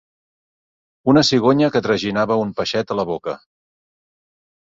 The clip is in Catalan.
Una cigonya que traginava un peixet a la boca.